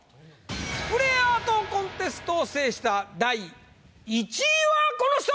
スプレーアートコンテストを制した第１位はこの人！